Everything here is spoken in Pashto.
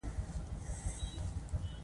د ژبې خدمت په لوست پروګرامونو دی.